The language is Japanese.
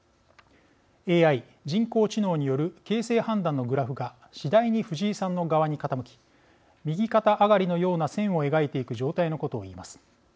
ＡＩ人工知能による形勢判断のグラフが次第に藤井さんの側に傾き右肩上がりのような線を描いていく状態のことを言います。